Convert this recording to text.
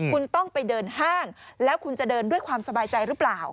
คุณต้องไปเดินห้างแล้วคุณจะเดินด้วยความสบายใจหรือเปล่า